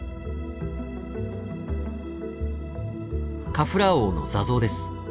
カフラー王の座像です。